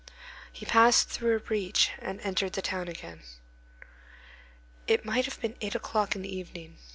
He passed through a breach and entered the town again. It might have been eight o'clock in the evening.